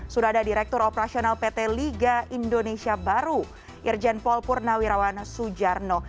sudah ada direktur operasional pt liga indonesia baru irjen paul purnawirawan sujarno